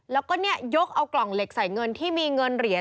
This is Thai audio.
แล้วก็ยกเอากล่องเหล็กใส่เงินที่มีเงินเหรียญ